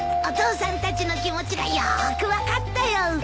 お父さんたちの気持ちがよーく分かったよ。